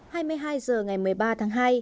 hai mươi hai h ngày một mươi ba tháng hai